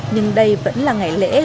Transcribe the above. nhưng đây vẫn là ngày lễ